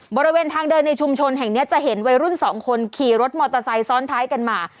บริเวณทางเดินในชุมชนแห่งนี้จะเห็นวัยรุ่นสองคนขี่รถมอเตอร์ไซค์ซ้อนท้ายกันมา